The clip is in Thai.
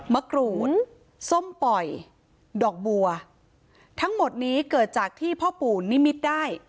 มะกรูนส้มปล่อยดอกบัวทั้งหมดนี้เกิดจากที่พ่อปู่นิมิตได้